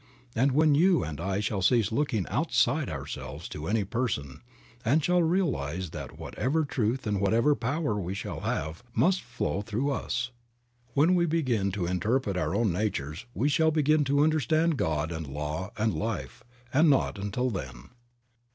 And when you and I shall cease looking outside ourselves to any person and shall realize that whatever truth and whatever power we shall have must flow through us ; when we begin to interpret our own natures, we shall begin to understand God and law, and life, and not until then.